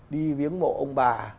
đi viếng mộ ông bà